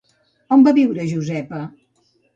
On va viure Josepa?